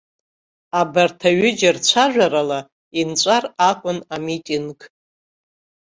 Абарҭ аҩыџьа рцәажәарала инҵәар акәын амитинг.